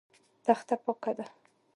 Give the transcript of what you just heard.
تخته پاکه ده.